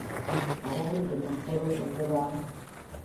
கடவுள் என்னும் பொருள் உண்டுதான்!